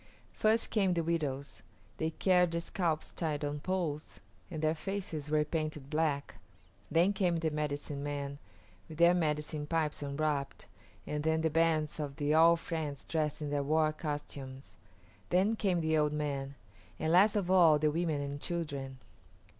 First came the widows. They carried the scalps tied on poles, and their faces were painted black. Then came the medicine men, with their medicine pipes unwrapped, and then the bands of the All Friends dressed in their war costumes; then came the old men; and, last of all, the women and children.